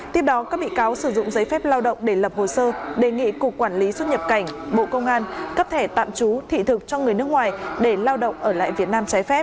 tiếp đó các bị cáo sử dụng giấy phép lao động để lập hồ sơ đề nghị cục quản lý xuất nhập cảnh bộ công an cấp thẻ tạm trú thị thực cho người nước ngoài để lao động ở lại việt nam trái phép